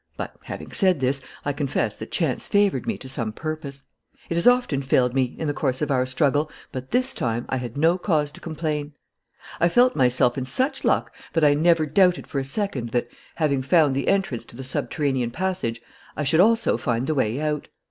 But, having said this, I confess that chance favoured me to some purpose. It has often failed me, in the course of our struggle, but this time I had no cause to complain. "I felt myself in such luck that I never doubted for a second that, having found the entrance to the subterranean passage, I should also find the way out.